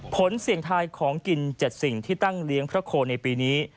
เสี่ยงทายของกิน๗สิ่งที่ตั้งเลี้ยงพระโคในปีนี้